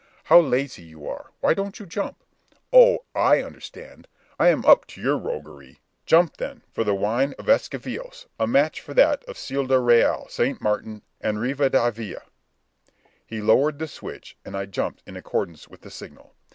How lazy you are! Why don't you jump? Oh! I understand! I am up to your roguery! Jump, then, for the wine of Esquivias, a match for that of Ciudad Real, St. Martin, and Rivadavia." He lowered the switch, and I jumped in accordance with the signal.